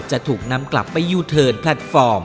จะถูกนำกลับไปยูเทิร์นแพลตฟอร์ม